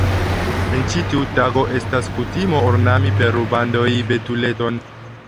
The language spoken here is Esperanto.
En ĉi tiu tago estas kutimo ornami per rubandoj betuleton.